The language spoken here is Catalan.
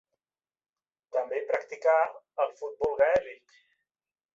També practicà el futbol gaèlic.